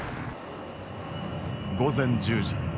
午前１０時。